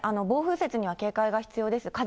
暴風雪には警戒が必要です。